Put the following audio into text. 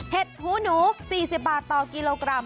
หูหนู๔๐บาทต่อกิโลกรัม